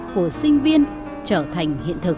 của sinh viên trở thành hiện thực